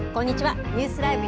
ニュースＬＩＶＥ！